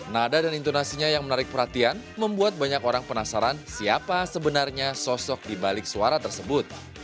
nada dan intonasinya yang menarik perhatian membuat banyak orang penasaran siapa sebenarnya sosok dibalik suara tersebut